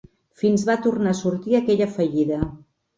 Fins va tornar a sortir aquella fallida